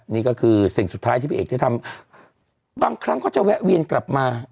นี่ก็คือสิ่งสุดท้ายที่พี่เอกได้ทำ